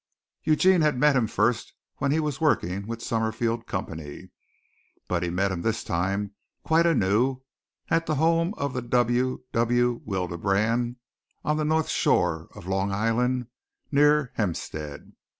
Eugene had met him first when he was working with the Summerfield Company, but he met him this time quite anew at the home of the W. W. Willebrand on the North Shore of Long Island near Hempstead.